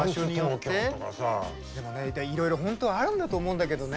でも、いろいろ本当はあると思うんだけどね。